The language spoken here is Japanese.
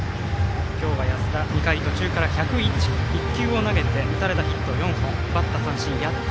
今日、安田２回途中から１０１球を投げて打たれたヒット４本奪った三振８つ。